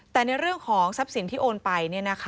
แต่ในเรื่องของทรัพย์สินที่โอนไป